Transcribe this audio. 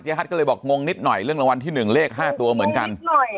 ฮัทก็เลยบอกงงนิดหน่อยเรื่องรางวัลที่๑เลข๕ตัวเหมือนกัน